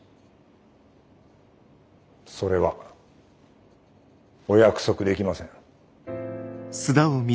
それはお約束できません。